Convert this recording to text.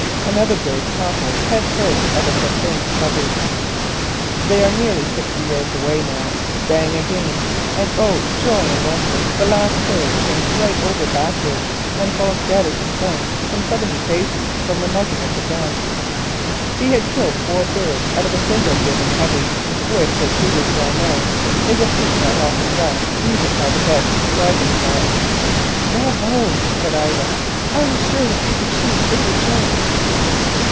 Another bird topples head first out of the thinned covey. They are nearly sixty yards away now. "Bang!" again, and oh, joy and wonder! the last bird turns right over backwards, and falls dead as a stone some seventy paces from the muzzle of the gun. He had killed four birds out of a single driven covey, which as shooters well know is a feat not often done even by the best driving shots. "Bravo!" said Ida, "I was sure that you could shoot if you chose."